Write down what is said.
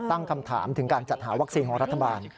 ตั้งคำถามถึงการจัดหาวัคซีนของรัฐบาล